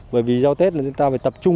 bởi vì sau tết là chúng ta phải tập trung